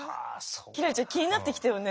輝星ちゃん気になってきたよね